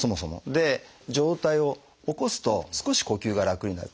で上体を起こすと少し呼吸が楽になる。